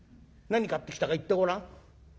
何買ってきたか言ってごらん。